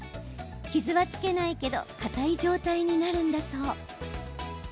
傷はつけないけどかたい状態になるんだそう。